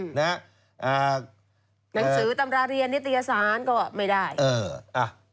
หนังสือตำราเรียนนิตยสารก็ไม่ได้เอออ่ะ